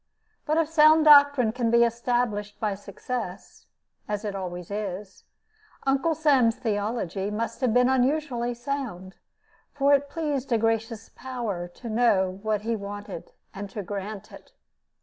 But if sound doctrine can be established by success (as it always is), Uncle Sam's theology must have been unusually sound; for it pleased a gracious Power to know what he wanted, and to grant it.